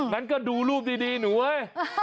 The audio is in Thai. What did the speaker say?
งั้นก็ดูรูปดีหนูเว้ย